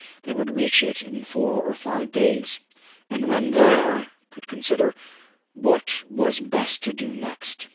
They would reach it in four or five days, and, when there, could consider what was best to do next.